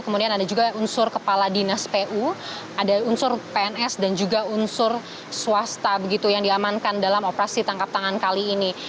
kemudian ada juga unsur kepala dinas pu ada unsur pns dan juga unsur swasta yang diamankan dalam operasi tangkap tangan kali ini